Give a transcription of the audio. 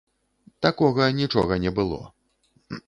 Такога нічога не было.